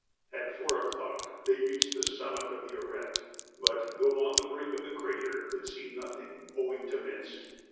At four o'clock they reached the summit of the arête, but, though on the brink of the crater, could see nothing, owing to mist.